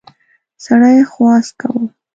سړي خواست کاوه.